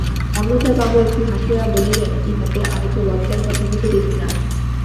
অন্নদাবাবু একটু হাসিয়া বলিলেন, ইহাতে আমি তো লজ্জার কথা কিছু দেখি না।